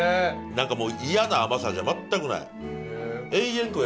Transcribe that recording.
何かもう嫌な甘さじゃ全くない。